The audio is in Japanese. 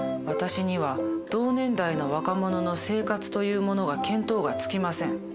私には同年代の若者の生活というものが見当がつきません。